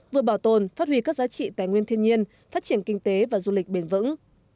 vừa bảo tồn phát huy các giá trị tài nguyên thiên nhiên phát triển kinh tế và du lịch bền vững